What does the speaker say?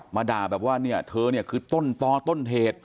มาด่าแบบว่าเธอคือต้นต้อต้นเหตุ